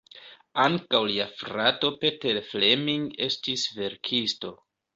Ankaŭ lia frato Peter Fleming estis verkisto.